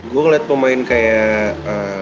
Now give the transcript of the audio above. gue ngeliat pemain kayak